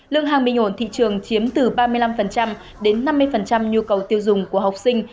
lương hàng bình ổn thị trường chiếm từ ba mươi năm đến năm mươi nhu cầu tiêu dùng của học sinh